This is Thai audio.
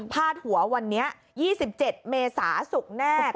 พาดหัววันนี้๒๗เมษาศุกร์แน่